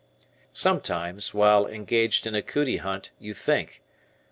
Sometimes, while engaged in a "cootie" hunt you think.